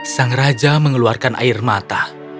sang raja mengeluarkan air mata